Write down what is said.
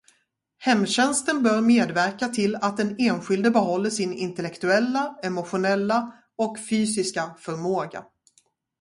Hemtjänsten bör medverka till att den enskilde behåller sin intellektuella, emotionella och fysiska förmåga.